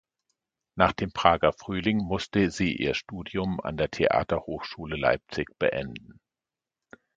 Nach dem Prager Frühling musste sie ihr Studium an der Theaterhochschule Leipzig beenden.